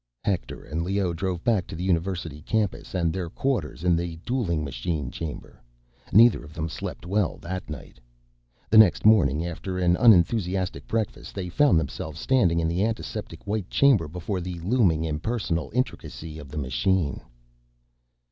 Hector and Leoh drove back to the University campus and their quarters in the dueling machine chamber. Neither of them slept well that night. The next morning, after an unenthusiastic breakfast, they found themselves standing in the antiseptic white chamber, before the looming, impersonal intricacy of the machine.